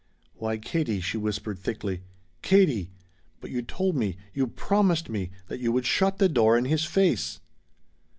"Why, Katie," she whispered thickly "Katie! But you told me you promised me that you would shut the door in his face."